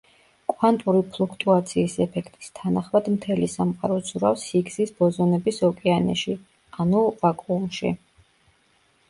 კვანტური ფლუქტუაციის ეფექტის თანახმად მთელი სამყარო ცურავს ჰიგსის ბოზონების ოკეანეში ანუ ვაკუუმში.